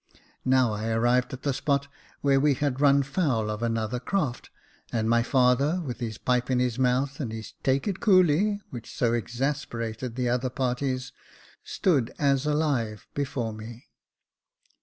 Now I arrived at the spot where we had run foul of another craft ; and my father, with his pipe in his mouth and his Take it coolly," which so exasperated the other parties, stood as alive before me.